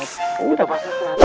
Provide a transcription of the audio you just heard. udah pak ustadz